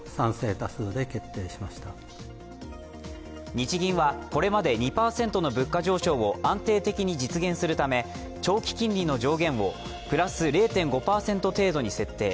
日銀はこれまで２％の物価上昇を安定的に実現するため長期金利の上限をプラス０．５％程度に設定。